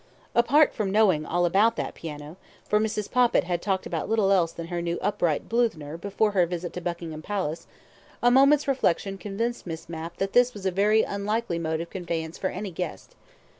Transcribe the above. Apart from knowing all about that piano, for Mrs. Poppit had talked about little else than her new upright Bluthner before her visit to Buckingham Palace, a moment's reflection convinced Miss Mapp that this was a very unlikely mode of conveyance for any guest.